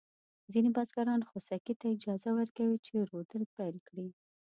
ځینې بزګران خوسکي ته اجازه ورکوي چې رودل پيل کړي.